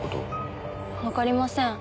わかりません。